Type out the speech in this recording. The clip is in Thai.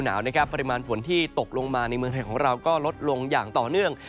เพราะฉะนั้นเข้าสู่ฤดูหนาวนะครับปริมาณฝนที่ตกลงมาในเมืองไทยของเราก็ลดลงอย่างต่อเนื่อง